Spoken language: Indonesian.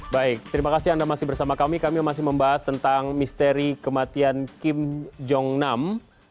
baik terima kasih anda masih bersama kami kami masih membahas tentang misteri kematian kim jong nam